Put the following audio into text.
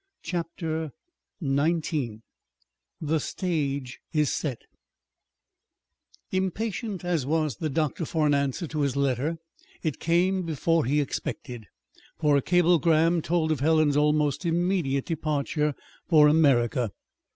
CHAPTER XIX THE STAGE IS SET Impatient as was the doctor for an answer to his letter, it came before he expected, for a cablegram told of Helen's almost immediate departure for America.